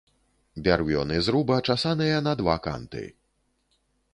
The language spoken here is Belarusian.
Бярвёны зруба часаныя на два канты.